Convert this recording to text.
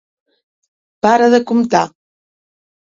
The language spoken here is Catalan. Para de comptar!